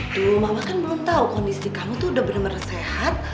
tuh mama kan belum tahu kondisi kamu tuh udah bener bener sehat